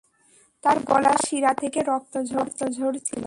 তার গলার শিরা থেকে রক্ত ঝরছিল।